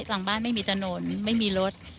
หลังบ้านไม่มีถนนไม่มีรถ